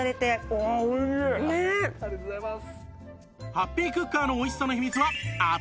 ハッピークッカーの美味しさの秘密は圧力効果